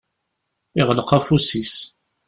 Iɣleq afus-is.